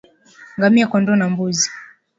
Ngamia kondoo na mbuzi